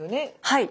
はい。